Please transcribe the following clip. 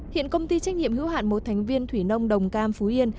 hiện công ty trách nhiệm hữu hạn một thành viên thủy nông đồng cam phú yên